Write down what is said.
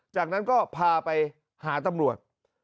จากนั้นก็พาไปหาตำรวจ